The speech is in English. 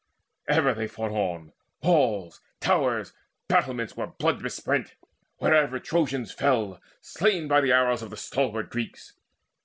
Ever they fought on; walls, towers, battlements Were blood besprent, wherever Trojans fell Slain by the arrows of the stalwart Greeks.